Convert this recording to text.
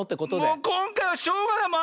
もうこんかいはしょうがない。